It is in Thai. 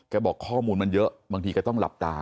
บอกข้อมูลมันเยอะบางทีแกต้องหลับตา